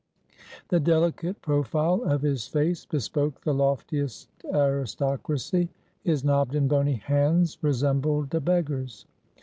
The delicate profile of his face, bespoke the loftiest aristocracy; his knobbed and bony hands resembled a beggar's.